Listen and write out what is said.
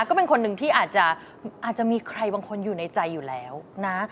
ก็เป็นคนหนึ่งที่อาจจะมีใครบางคนอยู่ในใจอยู่แล้วนะ